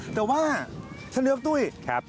แต่ว่าท่านเดี้ยวตุ๊ก